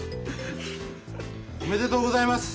おめでとうございます！